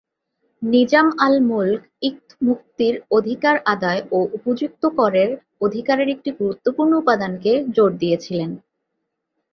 Nizam al-Mulk ইকত-মুকতীর অধিকার আদায় ও উপযুক্ত করের অধিকারের একটি গুরুত্বপূর্ণ উপাদানকে জোর দিয়েছিলেন।